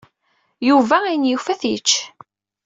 Yuba ayen yufa ad t-yečč.